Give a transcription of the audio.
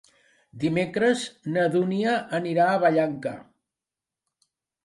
Dimecres na Dúnia anirà a Vallanca.